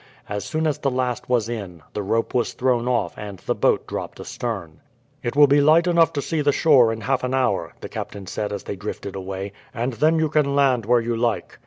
As soon as the last was in, the rope was thrown off and the boat dropped astern. "It will be light enough to see the shore in half an hour," the captain said as they drifted away, "and then you can land where you like."